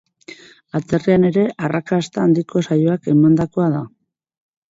Atzerrian ere arrakasta handiko saioak emandakoa da.